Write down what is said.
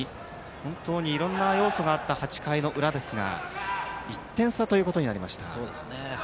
本当にいろんな要素があった８回の裏ですが１点差ということになりました。